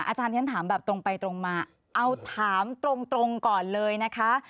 อาจารย์ฉันถามแบบตรงไปตรงมาเอาถามตรงก่อนเลยนะคะ